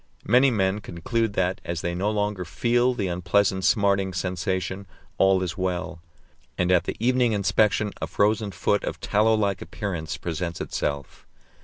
Many men conclude that, as they no longer feel the unpleasant smarting sensation, all is well; and at the evening inspection a frozen foot of tallow like appearance presents itself.